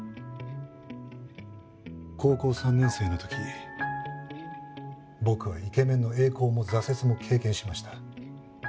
高校３年生の時僕はイケメンの栄光も挫折も経験しました。